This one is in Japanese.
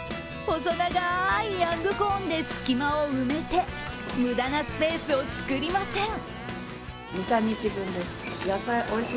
細長いヤングコーン隙間を埋めて無駄なスペースを作りません。